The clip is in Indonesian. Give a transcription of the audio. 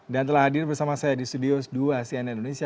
dan telah hadir bersama saya di studio dua cnn indonesia